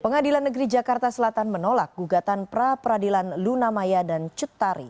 pengadilan negeri jakarta selatan menolak gugatan pra peradilan luna maya dan cutari